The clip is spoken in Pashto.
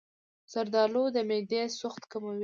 زردآلو د معدې سوخت کموي.